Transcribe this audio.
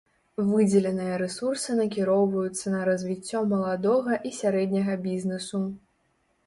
Выдзеленыя рэсурсы накіроўваюцца на развіццё малога і сярэдняга бізнэсу.